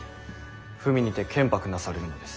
文にて建白なされるのです。